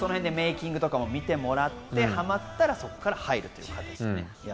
メイキングとか見てもらってハマったら、そこから入るという感じですね。